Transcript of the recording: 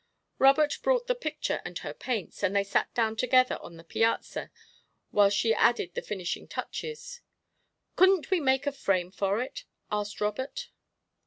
Robert brought the picture and her paints, and they sat down together on the piazza while she added the finishing touches. "Couldn't we make a frame for it?" asked Robert.